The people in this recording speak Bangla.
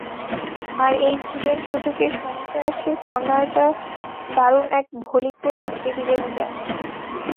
আর এই ভুলের সুযোগে সানচেসের কর্নারটা দারুণ এক ভলিতে পাঠিয়ে দিলেন জালে।